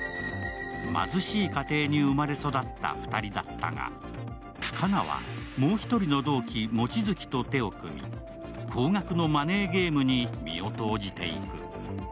貧しい家庭に生まれ育った２人だったが佳那はもう１人の同期・望月と手を組み高額のマネーゲームに身を投じていく。